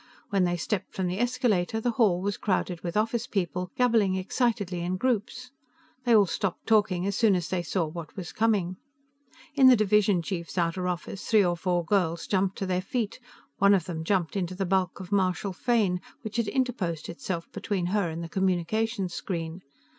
When they stepped from the escalator, the hall was crowded with office people, gabbling excitedly in groups; they all stopped talking as soon as they saw what was coming. In the division chief's outer office three or four girls jumped to their feet; one of them jumped into the bulk of Marshal Fane, which had interposed itself between her and the communication screen.